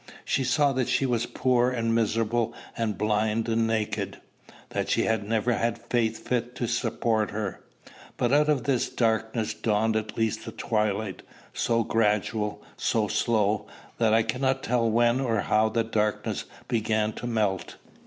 She saw that she was poor and miserable and blind and naked, that she had never had faith fit to support her. But out of this darkness dawned at least a twilight, so gradual, so slow, that I cannot tell when or how the darkness began to melt.